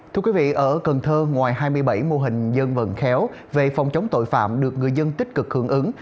thưa quý vị ở cần thơ ngoài hai mươi bảy mô hình dân vận khéo về phòng chống tội phạm được người dân tích cực hưởng ứng